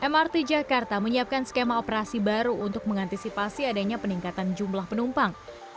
mrt jakarta menyiapkan skema operasi baru untuk mengantisipasi adanya peningkatan jumlah penumpang